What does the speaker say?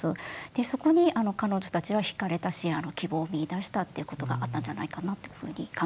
そこに彼女たちは惹かれたし希望を見いだしたっていうことがあったんじゃないかなというふうに考えてます。